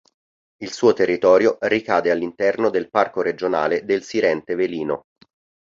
Il suo territorio ricade all'interno del Parco Regionale del Sirente-Velino.